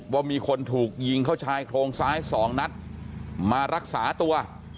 ว่ามีคนถูกยิงเข้าชายโครงซ้าย๒นัดมารักษาตัว